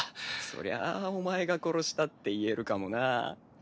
そりゃあお前が殺したって言えるかもなぁ。